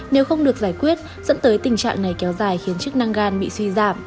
nếu không được giải quyết dẫn tới tình trạng này kéo dài khiến chức năng gan bị suy giảm